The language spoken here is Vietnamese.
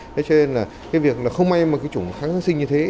thế cho nên không may mà chủng kháng sinh như thế